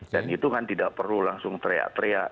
dan itu kan tidak perlu langsung teriak teriak